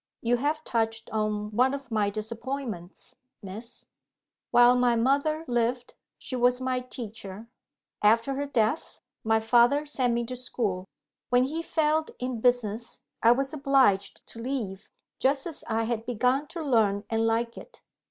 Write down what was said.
"You have touched on one of my disappointments, Miss. While my mother lived, she was my teacher. After her death, my father sent me to school. When he failed in business, I was obliged to leave, just as I had begun to learn and like it.